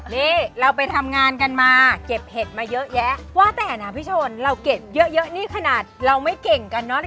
นี่เราไปทำงานกันมาเก็บเห็ดมาเยอะแยะว่าแต่นะพี่ชนเราเก็บเยอะนี่ขนาดเราไม่เก่งกันเนอะ